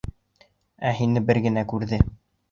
Ә һине бер генә күрҙе.